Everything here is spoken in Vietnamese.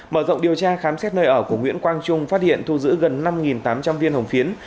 mở rộng điều tra khám xét nơi ở của nguyễn quang trung phát hiện thu giữ gần năm tám trăm linh viên hồng phiến